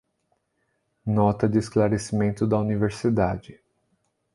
Nota de esclarecimento da universidade